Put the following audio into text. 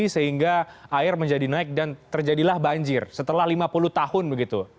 sehingga air menjadi naik dan terjadilah banjir setelah lima puluh tahun begitu